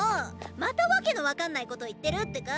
また訳の分かんないこと言ってるってか？